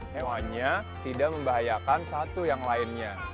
hewannya tidak membahayakan satu yang lainnya